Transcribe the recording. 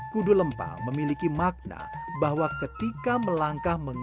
kudu lempang memiliki makna bahwa ketika melangkah melambung